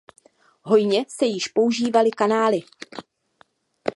Hojně se již používaly kanály.